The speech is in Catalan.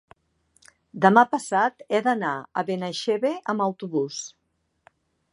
Demà passat he d'anar a Benaixeve amb autobús.